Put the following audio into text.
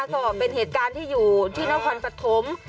ก็เป็นเหตุการณ์ที่อยู่ที่นครปฐม